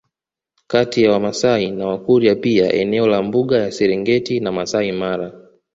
Kati ya wamasai na wakurya pia eneo la mbuga ya serengeti na masai mara